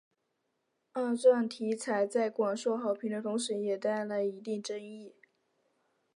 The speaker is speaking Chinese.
二战题材在广受好评的同时也带来一定争议。